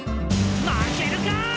負けるか！